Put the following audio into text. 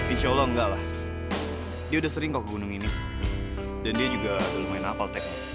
insya allah enggak lah dia udah sering ke gunung ini dan dia juga udah lumayan nafal tekno